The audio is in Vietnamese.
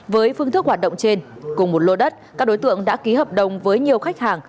với phương thức hoạt động trên cùng một lô đất các đối tượng đã ký hợp đồng với nhiều khách hàng